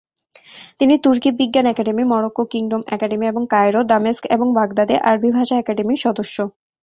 তিনি তুর্কি বিজ্ঞান একাডেমি, মরক্কো কিংডম একাডেমি এবং কায়রো, দামেস্ক এবং বাগদাদে আরবি ভাষা একাডেমির সদস্য।